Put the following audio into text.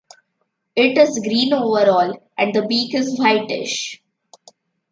It is green overall and the beak is whitish.